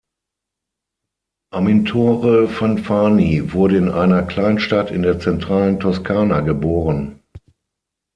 Amintore Fanfani wurde in einer Kleinstadt in der zentralen Toskana geboren.